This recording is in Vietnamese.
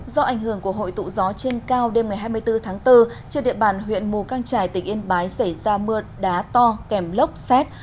do ảnh hưởng của hội tụ gió trên cao đêm ngày hai mươi bốn tháng bốn trên địa bàn huyện mù căng trải tỉnh yên bái xảy ra mưa đá to kèm lốc xét